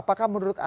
apakah menurut anda